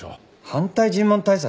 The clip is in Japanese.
反対尋問対策？